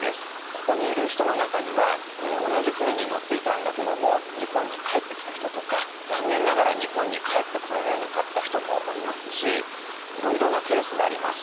ここにいる人の中には同じ船に乗っていたんだけども日本に帰ってきた人とか残念ながら日本に帰ってこられなかった人もおりますしいろいろなケースがあります。